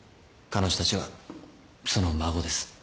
彼女たちはその孫です。